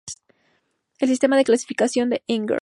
El sistema de clasificación de Engler.